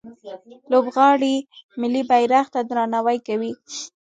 لوبغاړي ملي بیرغ ته درناوی کوي.